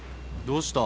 どうした？